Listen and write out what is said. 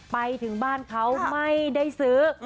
ไปถึงบ้านเขาไม่ได้ซื้อ